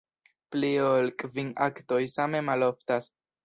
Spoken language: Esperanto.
Pli ol kvin aktoj same maloftas.